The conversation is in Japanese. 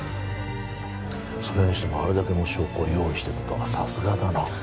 それにしてもあれだけの証拠を用意していたとはさすがだな